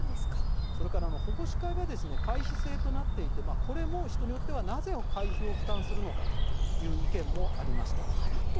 それから保護司会は会費制となっていてこれも人によってはなぜ会費を負担するのかという意見もありました。